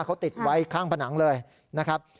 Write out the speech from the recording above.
เขาติดไว้ข้างผนังเลยนะครับ